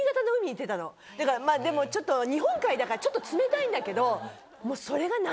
まぁでもちょっと日本海だからちょっと冷たいんだけど。